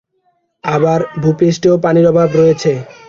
আবার ভূপৃষ্ঠেও পানির অভাব রয়েছে।